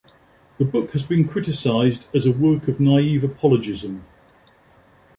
The book has been criticized as a work of naive apologism.